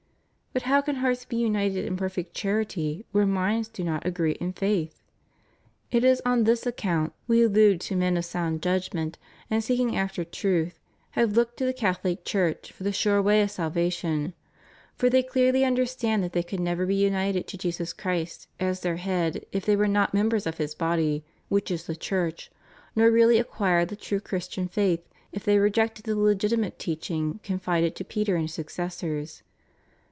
But how can hearts be united in perfect charity where minds do not agree in faith? It is on this account that many of those We allude to THE HEUNION OF CHRISTENDOM. 311 men of sound judgment and seeking after truth, have looked to the Cathohc Church for the sure way of salva tion; for they clearly understand that they could never be united to Jesus Christ as their head if they were not members of His body, wliich is the Church; nor really acquire the true Christian faith if they rejected the legiti mate teaching confided to Peter and his successors.